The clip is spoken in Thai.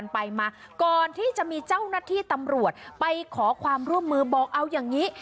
ไปมาก่อนที่จะมีเจ้าหน้าที่ตำรวจไปขอความร่วมมือบอกเอาอย่างนี้